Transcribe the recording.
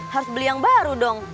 harus beli yang baru dong